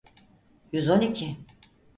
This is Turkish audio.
Yüz on iki.